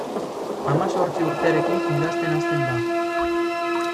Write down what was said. Hamazortzi urterekin idazten hasten da.